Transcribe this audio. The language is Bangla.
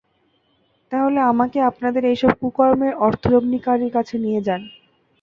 তাহলে, আমাকে আপনাদের এইসব কুকর্মের অর্থলগ্নিকারীর কাছে নিয়ে যান।